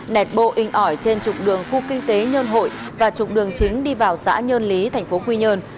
nẹt bộ in ỏi trên trục đường khu kinh tế nhân hội và trục đường chính đi vào xã nhân lý tp quy nhơn